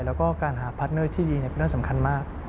แล้วก็การหาพาร์ทเนอร์ที่ดีเป็นเรื่องสำคัญมาก